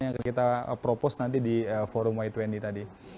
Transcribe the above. dan kebijakan yang kita propos nanti